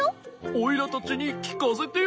オイラたちにきかせてよ。